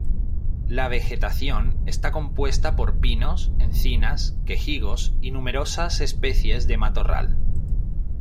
La vegetación está compuesta por pinos, encinas, quejigos y numerosas especies de matorral.